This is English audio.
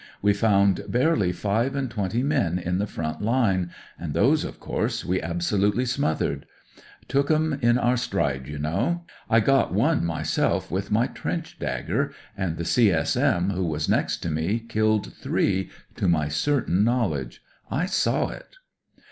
We found barely five and twenty men in the front line, and those, of course, we absolutely smothered ; took 'em in our stride, you know. I got one myself with my trench dagger, and the C.S.M. who was next to me killed three to my certain knowledge. I saw it.